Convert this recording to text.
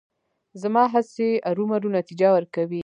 زما هڅې ارومرو نتیجه ورکوي.